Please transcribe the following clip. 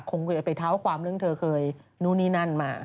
คงเคยไปเท้าความเรื่องเธอเคยนู่นนี่นั่นมา